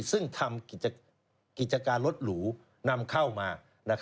ซึ่งทำกิจการรถหรูนำเข้ามา